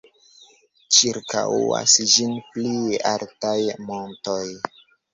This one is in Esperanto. Ĉirkaŭas ĝin pli altaj montoj.